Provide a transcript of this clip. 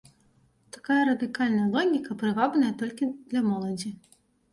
Такая радыкальная логіка прывабная толькі для моладзі.